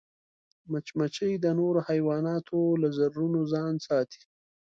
مچمچۍ د نورو حیواناتو له ضررونو ځان ساتي